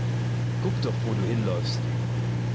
Guck doch, wo du hinläufst!